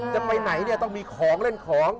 จะไปไหนต้องมีของเล่นของ